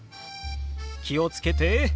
気を付けて。